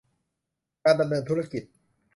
การดำเนินธุรกิจ